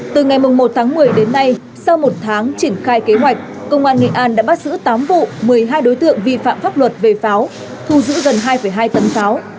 từ ngày một tháng một mươi đến nay sau một tháng triển khai kế hoạch công an nghệ an đã bắt giữ tám vụ một mươi hai đối tượng vi phạm pháp luật về pháo thu giữ gần hai hai tấn pháo